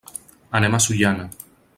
Anem a Sollana.